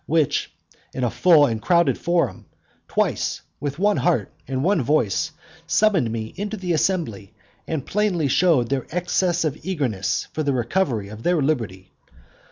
which, in a full and crowded forum, twice, with one heart and one voice, summoned me into the assembly, and plainly showed their excessive eagerness for the recovery of their liberty.